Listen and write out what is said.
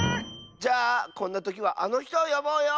じゃあこんなときはあのひとをよぼうよ！